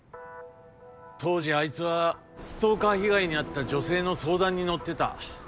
当時あいつはストーカー被害に遭った女性の相談に乗ってた。